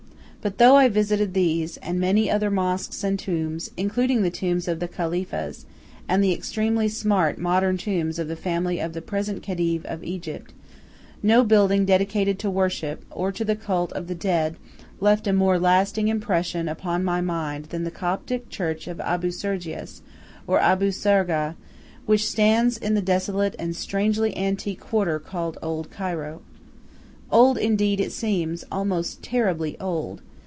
But though I visited these, and many other mosques and tombs, including the tombs of the Khalifas, and the extremely smart modern tombs of the family of the present Khedive of Egypt, no building dedicated to worship, or to the cult of the dead, left a more lasting impression upon my mind than the Coptic church of Abu Sergius, or Abu Sargah, which stands in the desolate and strangely antique quarter called "Old Cairo." Old indeed it seems, almost terribly old.